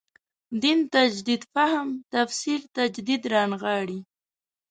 دین تجدید فهم تفسیر تجدید رانغاړي.